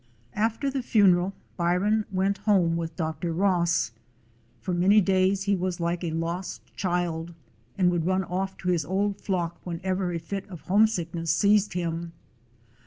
After the funeral Byron went home with Dr. Ross. For many days he was like a lost child, and would run off to his old flock when ever a fit of homesickness seized him.